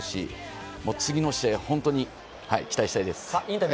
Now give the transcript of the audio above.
次の試合、本当に期待したいです。